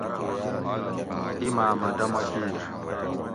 تیماۤ مہۤ دمہ کِیر